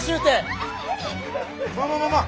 ままままあ